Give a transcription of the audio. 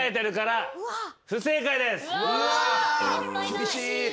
厳しい。